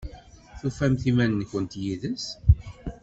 Tufamt iman-nkent yid-s?